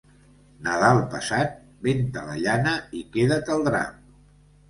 Nadal passat, ven-te la llana i queda't el drap.